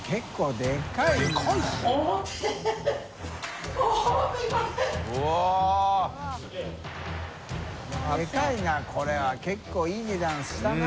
でかいなこれは結構いい値段したな。